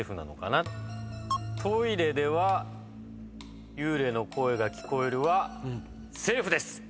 トイレでは幽霊の声が聞こえるはセーフです！